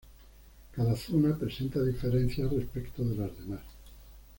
Cada zona presenta diferencias respecto de las demás.